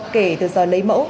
kể từ giờ lấy mẫu